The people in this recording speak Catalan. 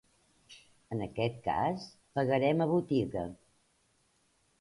En aquest cas, pagarem a botiga.